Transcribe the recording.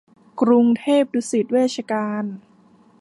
กรุงเทพดุสิตเวชการ